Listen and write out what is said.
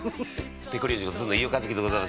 『ペコリーノ』のずんの飯尾和樹でございます。